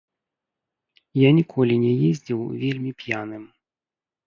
Я ніколі не ездзіў вельмі п'яным.